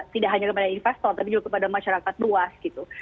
tidak hanya kepada investor tapi juga kepada masyarakat luas gitu